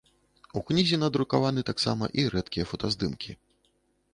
У кнізе надрукаваны таксама і рэдкія фотаздымкі.